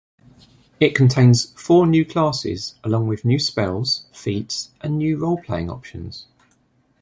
It contains four new classes, along with new spells, feats, and new role-playing options.